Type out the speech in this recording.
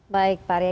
baik pak ria